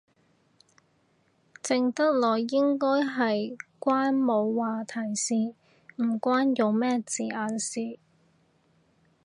靜得耐應該係關冇話題事，唔關用咩字眼事